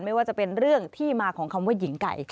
ไม่ว่าจะเป็นเรื่องที่มาของคำว่าหญิงไก่